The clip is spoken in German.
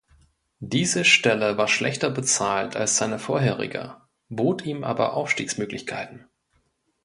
Diese Stelle war schlechter bezahlt als seine vorherige, bot ihm aber Aufstiegsmöglichkeiten.